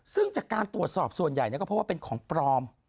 ซึ่งจากการตรวจสอบส่วนใหญ่ก็เพราะว่าเป็นของปลอม